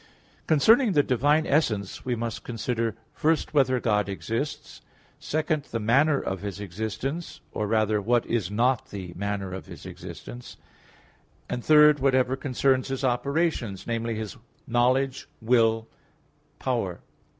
Concerning the Divine Essence, we must consider: (1) Whether God exists? (2) The manner of His existence, or, rather, what is not the manner of His existence; (3) Whatever concerns His operations namely, His knowledge, will, power.